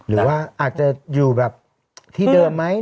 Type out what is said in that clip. หรือว่าอาจจะอยู่แบบที่เดิมไหม